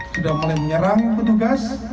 sudah mulai menyerang petugas